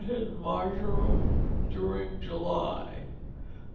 Knotted Marjoram during July.